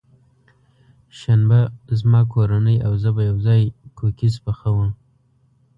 شنبه، زما کورنۍ او زه به یوځای کوکیز پخوم.